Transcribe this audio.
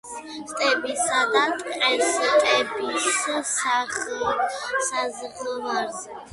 სტეპისა და ტყესტეპის საზღვარზე.